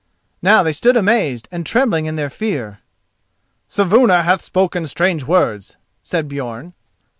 Now they stood amazed, and trembling in their fear. "Saevuna hath spoken strange words," said Björn.